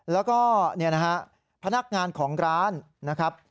แล้วก็เนี่ยนะฮะพนักงานของร้านนะครับ